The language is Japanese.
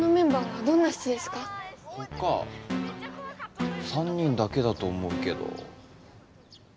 ３人だけだと思うけど。